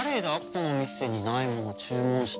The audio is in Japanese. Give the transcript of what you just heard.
この店にないものを注文した。